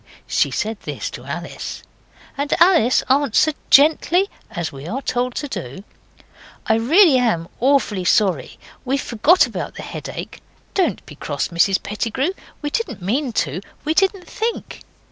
She said this to Alice, and Alice answered gently, as we are told to do 'I really am awfully sorry; we forgot about the headache. Don't be cross, Mrs Pettigrew; we didn't mean to; we didn't think.